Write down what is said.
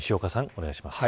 お願いします。